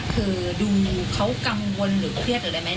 คือดูเขากังวลหรือเครียดหรืออะไรไหม